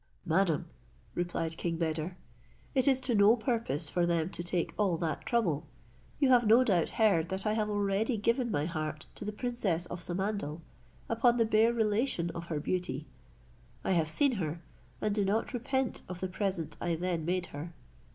"Madam," replied king Beder, "it is to no purpose for them to take all that trouble. You have no doubt heard that I have already given my heart to the princess of Samandal upon the bare relation of her beauty. I have seen her, and do not repent of the present I then made her.